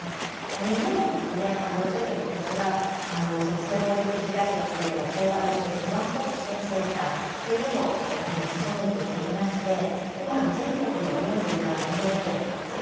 日本も徐々にですが性暴力被害者のための相談窓口ワンストップ支援センターというものを整えてきていまして今全国の４７都道府県全ての都道府県に設置はされています。